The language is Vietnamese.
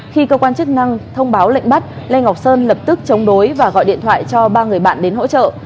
khi cơ quan chức năng thông báo lệnh bắt lê ngọc sơn lập tức chống đối và gọi điện thoại cho ba người bạn đến hỗ trợ